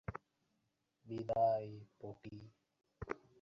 জগতে যারা উৎসবসভা সাজাবার হুকুম পেয়েছে কথা তাদের পক্ষেই ভালো।